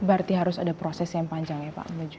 berarti harus ada proses yang panjang ya pak